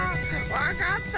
わかった？